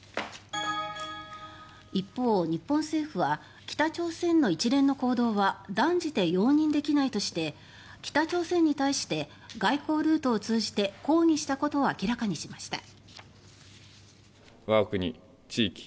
一方、日本政府は北朝鮮の一連の行動は断じて容認できないとして北朝鮮に対して外交ルートを通じて抗議したことを明らかにしました。